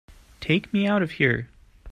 Take me out of here!